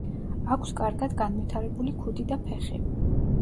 აქვს კარგად განვითარებული ქუდი და ფეხი.